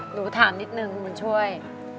หนูถามนิดหนึ่งคุณมันช่วย